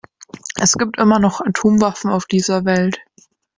Es gibt immer noch Atomwaffen auf dieser Welt.